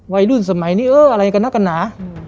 รุ่นสมัยนี้เอออะไรกันนักกันหนา